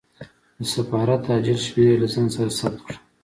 د سفارت عاجل شمېرې له ځان سره ثبت کړه.